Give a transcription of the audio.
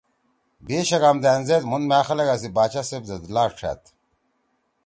بھی شگام دأن زید مُھون مھأ خلگا سی باچا صیب زید لات ݜأد۔